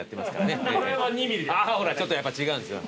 ほらちょっとやっぱ違うんですよ。